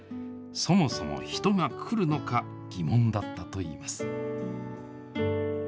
そもそも人が来るのか、疑問だったといいます。